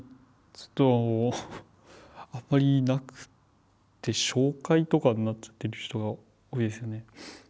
ちょっとあんまりなくって紹介とかになっちゃってる人が多いですね。